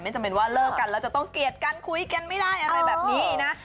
จำเป็นว่าเลิกกันแล้วจะต้องเกลียดกันคุยกันไม่ได้อะไรแบบนี้นะ